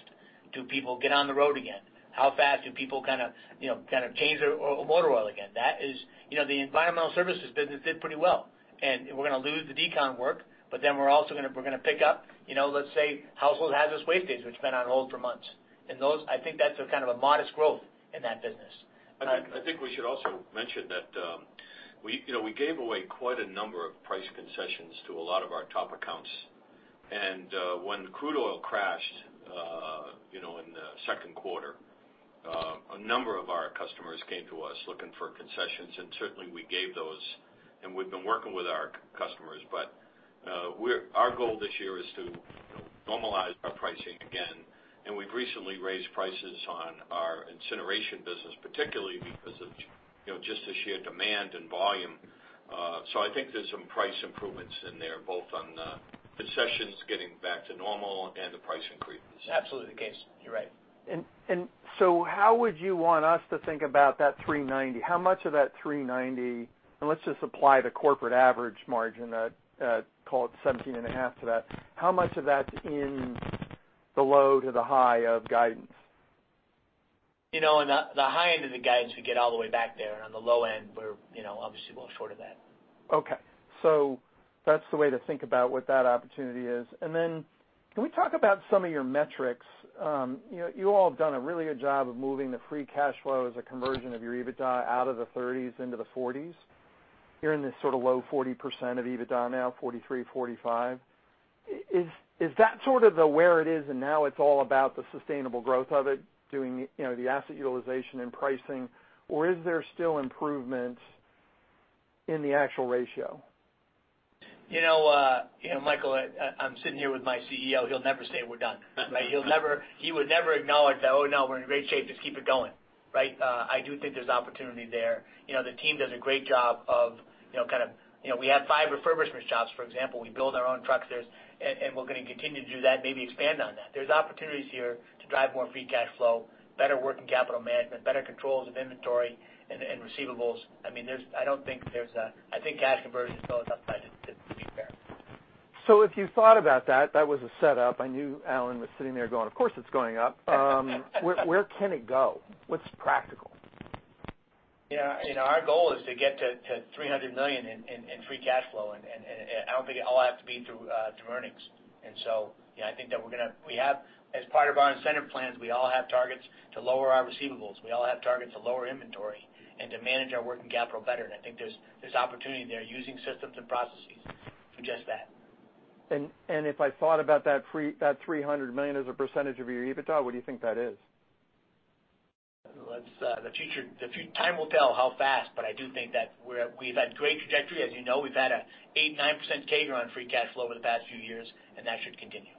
[SPEAKER 4] do people get on the road again? How fast do people change their motor oil again? The environmental services business did pretty well, and we're going to lose the decon work, but then we're going to pick up, let's say, household hazardous waste days, which have been on hold for months. Those, I think that's a kind of a modest growth in that business.
[SPEAKER 3] I think we should also mention that we gave away quite a number of price concessions to a lot of our top accounts. When crude oil crashed in the second quarter, a number of our customers came to us looking for concessions, and certainly we gave those, and we've been working with our customers. Our goal this year is to normalize our pricing again, and we've recently raised prices on our incineration business, particularly because of just the sheer demand and volume. I think there's some price improvements in there, both on the concessions getting back to normal and the price increases.
[SPEAKER 4] Absolutely the case. You're right.
[SPEAKER 9] How would you want us to think about that $390 million? How much of that $390 million, and let's just apply the corporate average margin, call it 17.5% to that. How much of that's in the low to the high of guidance?
[SPEAKER 4] On the high end of the guidance, we get all the way back there. On the low end, we're obviously well short of that.
[SPEAKER 9] Okay. That's the way to think about what that opportunity is. Can we talk about some of your metrics? You all have done a really good job of moving the free cash flow as a conversion of your EBITDA out of the 30s into the 40s. You're in this sort of low 40% of EBITDA now, 43%, 45%. Is that sort of the where it is, and now it's all about the sustainable growth of it, doing the asset utilization and pricing, or is there still improvement in the actual ratio?
[SPEAKER 4] Michael, I'm sitting here with my CEO. He'll never say we're done. He would never acknowledge that, Oh, no, we're in great shape. Just keep it going. I do think there's opportunity there. The team does a great job of kind of we have five refurbishment shops, for example. We build our own trucks, and we're going to continue to do that, maybe expand on that. There's opportunities here to drive more free cash flow, better working capital management, better controls of inventory and receivables. I think cash conversion is always upside to be fair.
[SPEAKER 9] If you thought about that was a setup. I knew Alan was sitting there going, "Of course it's going up." Where can it go? What's practical?
[SPEAKER 4] Our goal is to get to $300 million in free cash flow. I don't think it all have to be through earnings. I think that we have, as part of our incentive plans, we all have targets to lower our receivables. We all have targets to lower inventory and to manage our working capital better. I think there's opportunity there using systems and processes for just that.
[SPEAKER 9] If I thought about that $300 million as a % of your EBITDA, what do you think that is?
[SPEAKER 4] Time will tell how fast, but I do think that we've had great trajectory. As you know, we've had an 8%-9% CAGR on free cash flow over the past few years, and that should continue.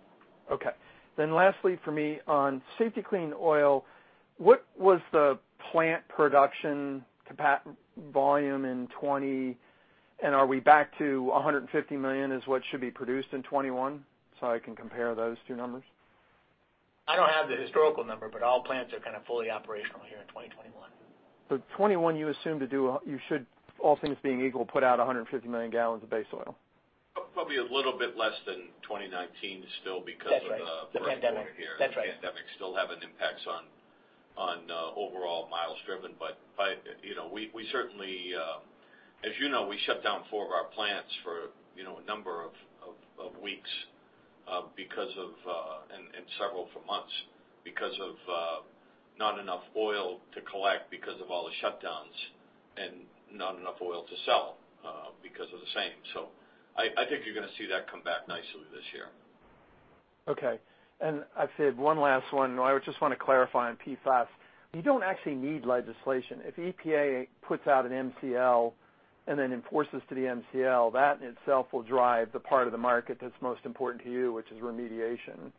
[SPEAKER 9] Okay. Lastly for me, on Safety-Kleen oil, what was the plant production volume in 2020? Are we back to 150 million is what should be produced in 2021, so I can compare those two numbers?
[SPEAKER 4] I don't have the historical number, but all plants are kind of fully operational here in 2021.
[SPEAKER 9] 2021, you assume you should, all things being equal, put out 150 million gallons of base oil?
[SPEAKER 3] Probably a little bit less than 2019 still because of the first quarter here.
[SPEAKER 4] That's right. The pandemic. That's right.
[SPEAKER 3] The pandemic still having impacts on overall miles driven. As you know, we shut down four of our plants for a number of weeks and several for months because of not enough oil to collect because of all the shutdowns and not enough oil to sell because of the same. I think you're going to see that come back nicely this year.
[SPEAKER 9] Okay. I said one last one. I just want to clarify on PFAS. You don't actually need legislation. If EPA puts out an MCL and then enforces to the MCL, that in itself will drive the part of the market that's most important to you, which is remediation.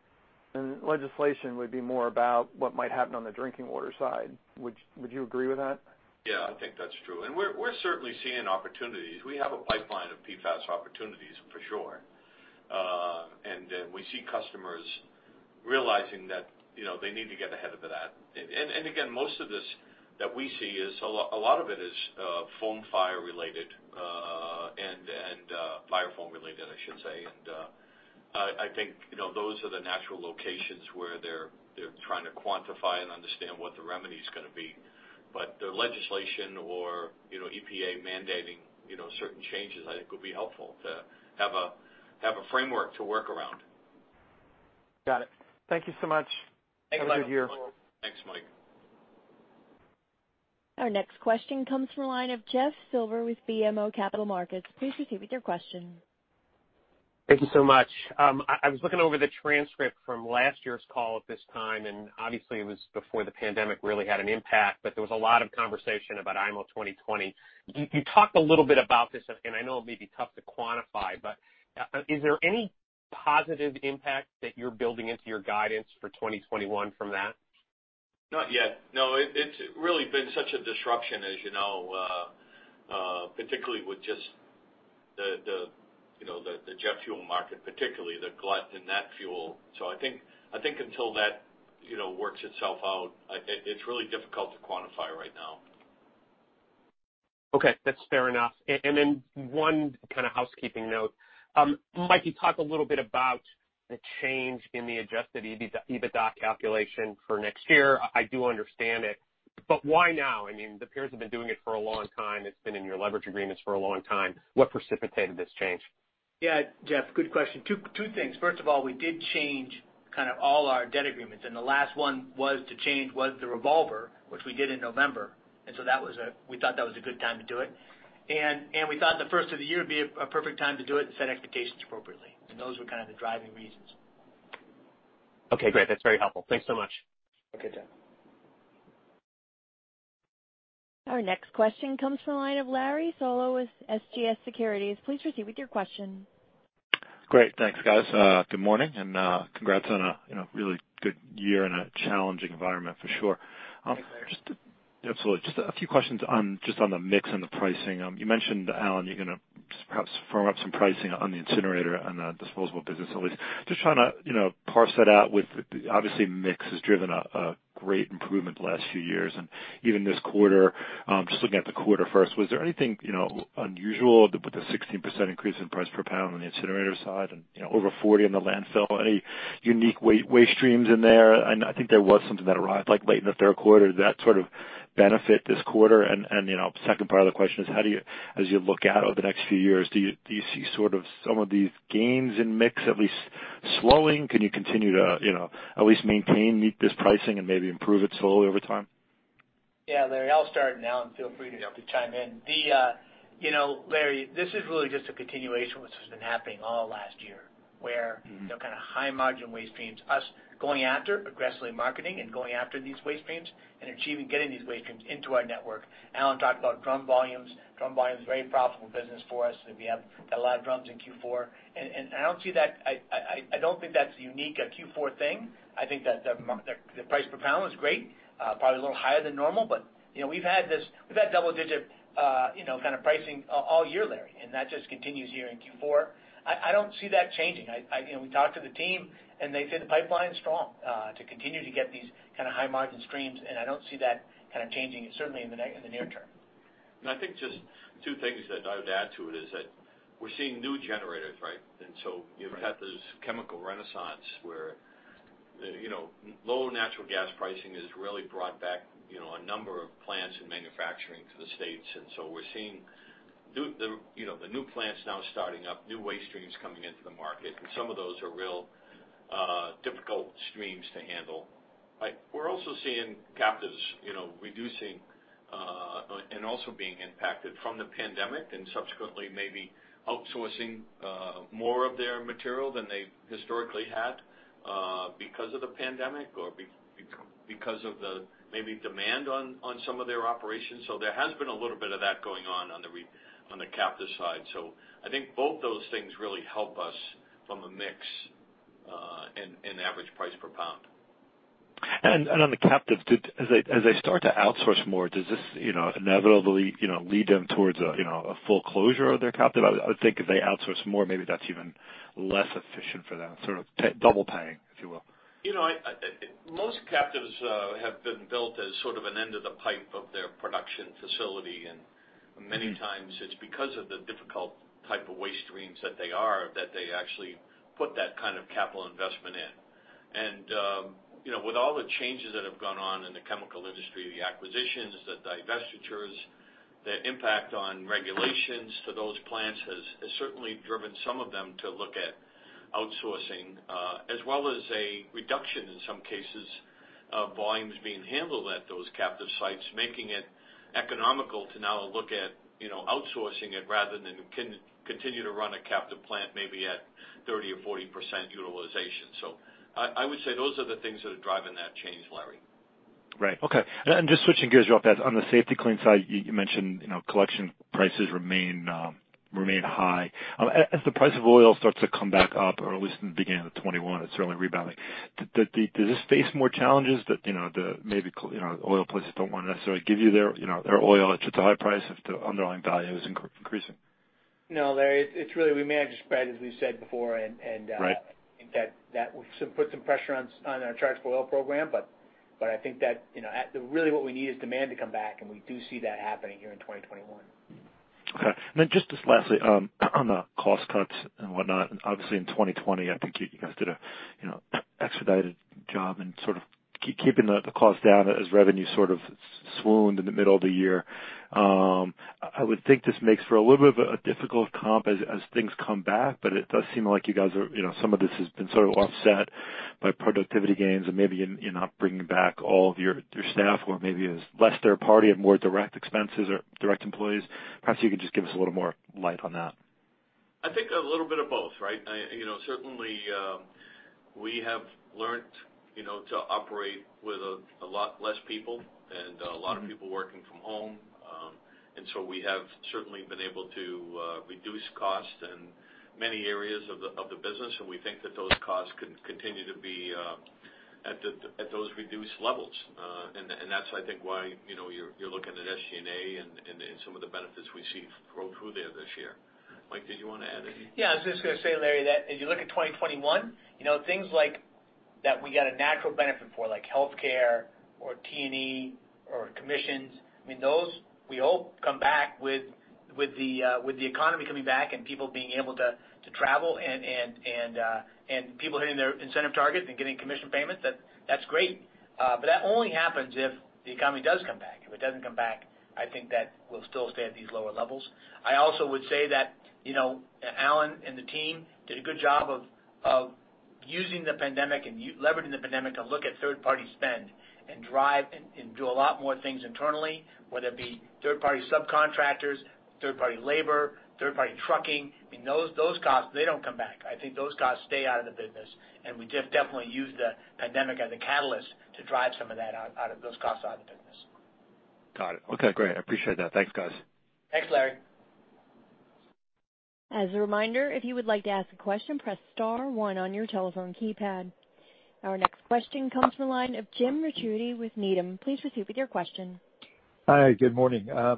[SPEAKER 9] Legislation would be more about what might happen on the drinking water side. Would you agree with that?
[SPEAKER 3] Yeah, I think that's true. We're certainly seeing opportunities. We have a pipeline of PFAS opportunities for sure. We see customers realizing that they need to get ahead of that. Again, most of this that we see, a lot of it is foam fire related, and fire foam related, I should say. I think, those are the natural locations where they're trying to quantify and understand what the remedy's going to be. The legislation or EPA mandating certain changes, I think, will be helpful to have a framework to work around.
[SPEAKER 9] Got it. Thank you so much. Have a good year.
[SPEAKER 3] Thanks, Mike.
[SPEAKER 1] Our next question comes from the line of Jeffrey Silber with BMO Capital Markets. Please proceed with your question.
[SPEAKER 10] Thank you so much. I was looking over the transcript from last year's call at this time, and obviously it was before the pandemic really had an impact, but there was a lot of conversation about IMO 2020. You talked a little bit about this, and I know it may be tough to quantify, but is there any positive impact that you're building into your guidance for 2021 from that?
[SPEAKER 3] Not yet. No, it's really been such a disruption, as you know, particularly with just the jet fuel market, particularly the glut in that fuel. I think until that works itself out, it's really difficult to quantify right now.
[SPEAKER 10] Okay. That's fair enough. One kind of housekeeping note. Mike, you talked a little bit about the change in the adjusted EBITDA calculation for next year. I do understand it, but why now? I mean, the peers have been doing it for a long time. It's been in your leverage agreements for a long time. What precipitated this change?
[SPEAKER 4] Yeah, Jeff, good question. Two things. First of all, we did change all our debt agreements, and the last one was to change was the revolver, which we did in November. We thought that was a good time to do it. We thought the first of the year would be a perfect time to do it and set expectations appropriately. Those were kind of the driving reasons.
[SPEAKER 10] Okay, great. That's very helpful. Thanks so much.
[SPEAKER 3] Okay, Jeff.
[SPEAKER 1] Our next question comes from the line of Larry Solow with CJS Securities. Please proceed with your question.
[SPEAKER 11] Great. Thanks, guys. Good morning, congrats on a really good year in a challenging environment for sure.
[SPEAKER 4] Thanks, Larry.
[SPEAKER 11] Absolutely. A few questions just on the mix and the pricing. You mentioned, Alan, you're going to perhaps firm up some pricing on the incinerator and the disposable business. Trying to parse that out with, obviously, mix has driven a great improvement the last few years and even this quarter. Looking at the quarter first, was there anything unusual with the 16% increase in price per pound on the incinerator side and over 40 on the landfill? Any unique waste streams in there? I think there was something that arrived late in the third quarter. Did that sort of benefit this quarter? Second part of the question is, as you look out over the next few years, do you see some of these gains in mix at least slowing? Can you continue to at least maintain, meet this pricing, and maybe improve it slowly over time?
[SPEAKER 4] Yeah, Larry, I'll start, and Alan, feel free to chime in. Larry, this is really just a continuation, which has been happening all last year, where kind of high margin waste streams, us going after, aggressively marketing, and going after these waste streams, and achieving getting these waste streams into our network. Alan talked about drum volumes. Drum volume is a very profitable business for us, and we had a lot of drums in Q4. I don't think that's a unique Q4 thing. I think that the price per pound was great. Probably a little higher than normal, but we've had double-digit kind of pricing all year, Larry, and that just continues here in Q4. I don't see that changing. We talked to the team. They say the pipeline's strong to continue to get these kind of high-margin streams. I don't see that changing certainly in the near term.
[SPEAKER 3] I think just two things that I would add to it is that we're seeing new generators, right? You've had this chemical renaissance where low natural gas pricing has really brought back a number of plants and manufacturing to the U.S. We're seeing the new plants now starting up, new waste streams coming into the market, and some of those are real difficult streams to handle. We're also seeing captives reducing, and also being impacted from the pandemic, and subsequently maybe outsourcing more of their material than they historically had, because of the pandemic or because of the maybe demand on some of their operations. There has been a little bit of that going on on the captive side. I think both those things really help us from a mix in average price per pound.
[SPEAKER 11] On the captive, as they start to outsource more, does this inevitably lead them towards a full closure of their captive? I would think if they outsource more, maybe that's less efficient for them, sort of double paying, if you will.
[SPEAKER 3] Most captives have been built as sort of an end of the pipe of their production facility. Many times it's because of the difficult type of waste streams that they actually put that kind of capital investment in. With all the changes that have gone on in the chemical industry, the acquisitions, the divestitures, the impact on regulations for those plants has certainly driven some of them to look at outsourcing, as well as a reduction in some cases of volumes being handled at those captive sites, making it economical to now look at outsourcing it rather than continue to run a captive plant, maybe at 30% or 40% utilization. I would say those are the things that are driving that change, Larry.
[SPEAKER 11] Right. Okay. Just switching gears real fast, on the Safety-Kleen side, you mentioned collection prices remain high. As the price of oil starts to come back up, or at least in the beginning of 2021, it's certainly rebounding. Does this face more challenges that maybe oil places don't want to necessarily give you their oil at such a high price if the underlying value is increasing?
[SPEAKER 4] No, Larry, we manage the spread, as we've said before.
[SPEAKER 11] Right.
[SPEAKER 4] I think that would put some pressure on our charge-for-oil program, but I think that really what we need is demand to come back, and we do see that happening here in 2021.
[SPEAKER 11] Okay. Just lastly, on the cost cuts and whatnot, Obviously in 2020, I think you guys did an expedited job in sort of keeping the cost down as revenue sort of swooned in the middle of the year. I would think this makes for a little bit of a difficult comp as things come back. It does seem like you guys are, some of this has been sort of offset by productivity gains and maybe in not bringing back all of your staff, or maybe it is less third party and more direct expenses or direct employees. Perhaps you could just give us a little more light on that.
[SPEAKER 3] I think a little bit of both, right? Certainly, we have learned to operate with a lot less people and a lot of people working from home. We have certainly been able to reduce costs in many areas of the business, and we think that those costs can continue to be at those reduced levels. That's, I think, why you're looking at SG&A and some of the benefits we see grow through there this year. Mike, did you want to add anything?
[SPEAKER 4] Yeah, I was just going to say, Larry, that as you look at 2021, things that we got a natural benefit for, like healthcare or T&E or commissions, those we hope come back with the economy coming back and people being able to travel and people hitting their incentive targets and getting commission payments. That's great. That only happens if the economy does come back. If it doesn't come back, I think that we'll still stay at these lower levels. I also would say that Alan and the team did a good job of using the pandemic and leveraging the pandemic to look at third-party spend and drive and do a lot more things internally, whether it be third-party subcontractors, third-party labor, third-party trucking. Those costs, they don't come back. I think those costs stay out of the business, and we definitely use the pandemic as a catalyst to drive some of those costs out of the business.
[SPEAKER 11] Got it. Okay, great. I appreciate that. Thanks, guys.
[SPEAKER 4] Thanks, Larry.
[SPEAKER 1] As a reminder, if you would like to ask a question, press star one on your telephone keypad. Our next question comes from the line of Jim Ricchiuti with Needham. Please proceed with your question.
[SPEAKER 12] Hi, good morning. A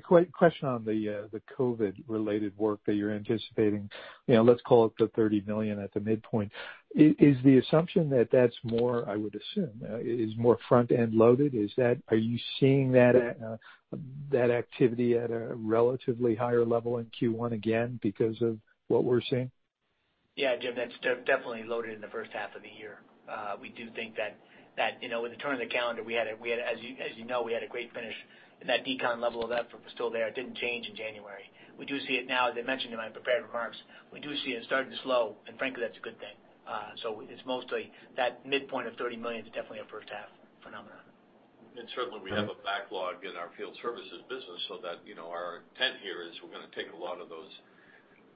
[SPEAKER 12] question on the COVID-related work that you're anticipating. Let's call it the $30 million at the midpoint. Is the assumption that that's more, I would assume, is more front-end loaded? Are you seeing that activity at a relatively higher level in Q1 again because of what we're seeing?
[SPEAKER 4] Yeah, Jim, that's definitely loaded in the first half of the year. We do think that with the turn of the calendar, as you know, we had a great finish, and that decon level of effort was still there. It didn't change in January. We do see it now, as I mentioned in my prepared remarks, we do see it starting to slow, and frankly, that's a good thing. It's mostly that midpoint of $30 million is definitely a first half phenomenon.
[SPEAKER 3] Certainly we have a backlog in our field services business so that our intent here is we're going to take a lot of those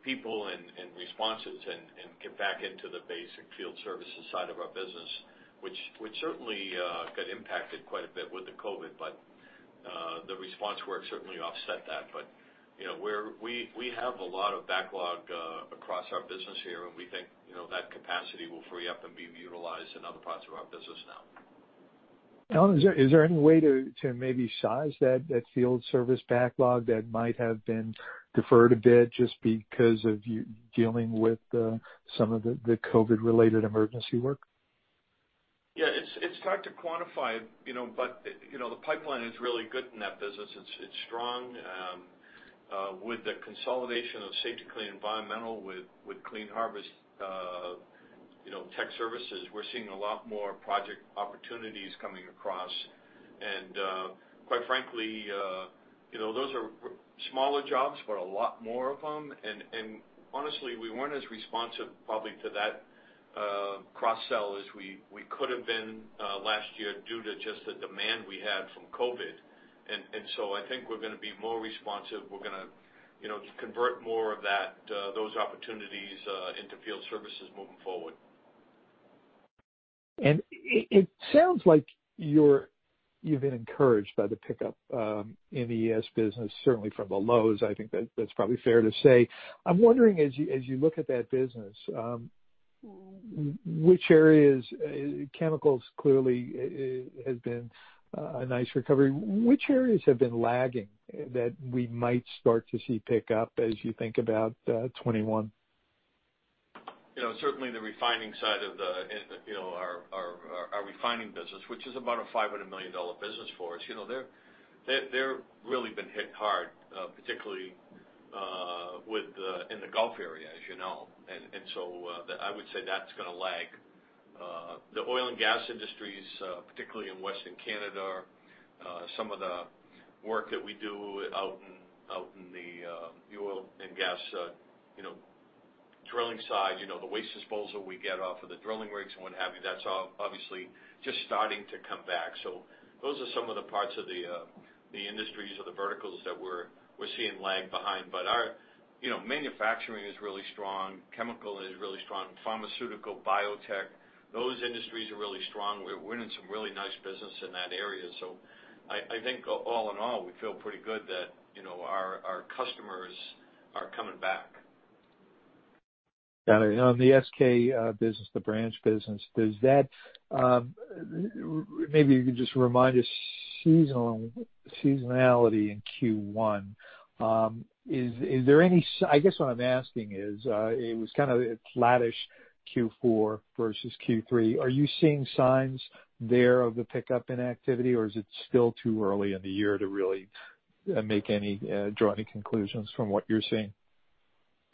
[SPEAKER 3] people and responses and get back into the basic field services side of our business, which certainly got impacted quite a bit with the COVID, but the response work certainly offset that. We have a lot of backlog across our business here, and we think that capacity will free up and be utilized in other parts of our business now.
[SPEAKER 12] Alan, is there any way to maybe size that field service backlog that might have been deferred a bit just because of you dealing with some of the COVID-related emergency work?
[SPEAKER 3] Yeah, it's hard to quantify, the pipeline is really good in that business. It's strong. With the consolidation of Safety-Kleen Environmental, with Clean Harbors tech services, we're seeing a lot more project opportunities coming across. Quite frankly, those are smaller jobs, but a lot more of them. Honestly, we weren't as responsive probably to that cross-sell as we could have been last year due to just the demand we had from COVID. I think we're going to be more responsive. We're going to convert more of those opportunities into field services moving forward.
[SPEAKER 12] It sounds like you've been encouraged by the pickup in the ES business, certainly from the lows. I think that's probably fair to say. I'm wondering, as you look at that business, chemicals clearly has been a nice recovery. Which areas have been lagging that we might start to see pick up as you think about 2021?
[SPEAKER 3] The refining side of our refining business, which is about a $500 million business for us. They're really been hit hard, particularly in the Gulf area, as you know. I would say that's going to lag. The oil and gas industries, particularly in Western Canada, some of the work that we do out in the oil and gas drilling side, the waste disposal we get off of the drilling rigs and what have you, that's obviously just starting to come back. Those are some of the parts of the industries or the verticals that we're seeing lag behind. Our manufacturing is really strong. Chemical is really strong. Pharmaceutical, biotech, those industries are really strong. We're winning some really nice business in that area. I think all in all, we feel pretty good that our customers are coming back.
[SPEAKER 12] Got it. On the SK business, the branch business, maybe you could just remind us seasonality in Q1. I guess what I'm asking is it was kind of a flattish Q4 versus Q3. Are you seeing signs there of the pickup in activity, or is it still too early in the year to really draw any conclusions from what you're seeing?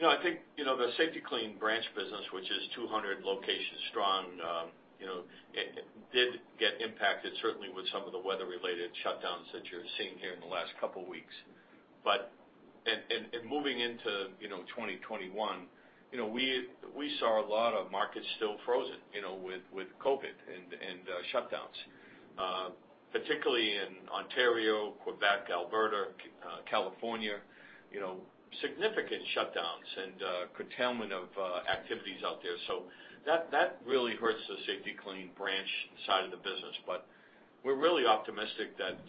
[SPEAKER 3] I think, the Safety-Kleen branch business, which is 200 locations strong, it did get impacted certainly with some of the weather-related shutdowns that you're seeing here in the last couple of weeks. In moving into 2021, we saw a lot of markets still frozen with COVID and shutdowns, particularly in Ontario, Quebec, Alberta, California. Significant shutdowns and curtailment of activities out there. That really hurts the Safety-Kleen branch side of the business. We're really optimistic that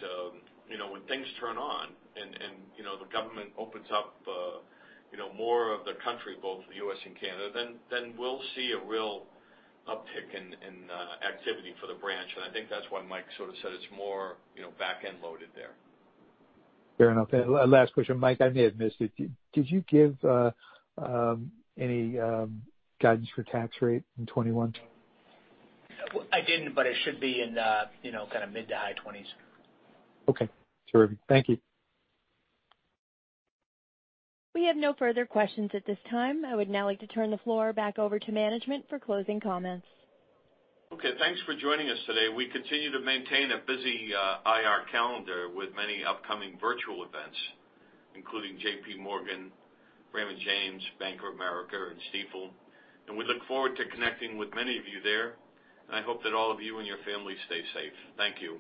[SPEAKER 3] when things turn on and the government opens up more of the country, both the U.S. and Canada, then we'll see a real uptick in activity for the branch. I think that's why Mike sort of said it's more back-end loaded there.
[SPEAKER 12] Fair enough. Last question, Mike, I may have missed it. Did you give any guidance for tax rate in 2021?
[SPEAKER 4] I didn't, but it should be in the mid to high 20s.
[SPEAKER 12] Okay. Terrific. Thank you.
[SPEAKER 1] We have no further questions at this time. I would now like to turn the floor back over to management for closing comments.
[SPEAKER 3] Okay, thanks for joining us today. We continue to maintain a busy IR calendar with many upcoming virtual events, including JP Morgan, Raymond James, Bank of America, and Stifel. We look forward to connecting with many of you there, and I hope that all of you and your families stay safe. Thank you.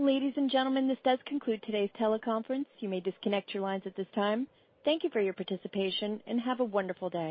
[SPEAKER 1] Ladies and gentlemen, this does conclude today's teleconference. You may disconnect your lines at this time. Thank you for your participation, and have a wonderful day.